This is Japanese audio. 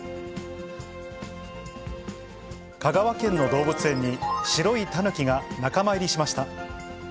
香川県の動物園に白いタヌキが仲間入りしました。